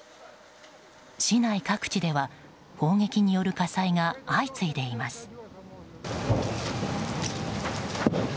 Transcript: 市内各地では砲撃による火災が相次いでいます。